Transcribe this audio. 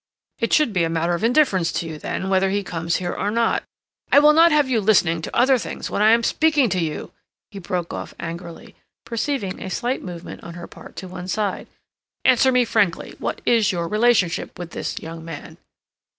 "It should be a matter of indifference to you, then, whether he comes here or not—I will not have you listening to other things when I am speaking to you!" he broke off angrily, perceiving a slight movement on her part to one side. "Answer me frankly, what is your relationship with this young man?"